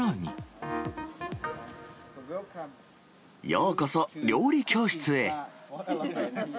ようこそ、料理教室へ。